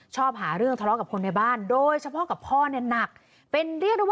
ชอบหาเรื่องทะเลาะกับคนในบ้านโดยเฉพาะกับพ่อเนี่ย